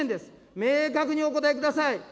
明確にお答えください。